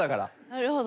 なるほど。